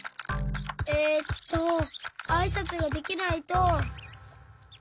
えっとあいさつができないと。